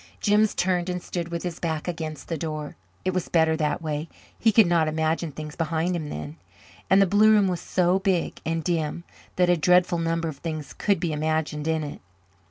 Jims turned and stood with his back against the door. It was better that way; he could not imagine things behind him then. And the blue room was so big and dim that a dreadful number of things could be imagined in it.